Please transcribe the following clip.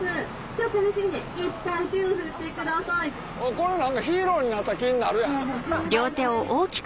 これ何かヒーローになった気になるやん。